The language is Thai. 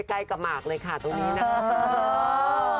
ใกล้กับหมากเลยค่ะตรงนี้นะคะ